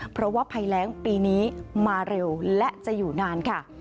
เพราะว่าภัยแรงปีนี้มาเร็วและจะอยู่นานค่ะ